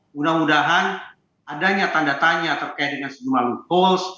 mudah mudahan adanya tanda tanya terkait dengan sejumlah low cost